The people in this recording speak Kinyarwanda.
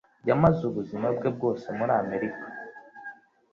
yamaze ubuzima bwe bwose muri Amerika.